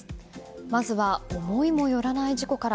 まずは思いもよらない事故から。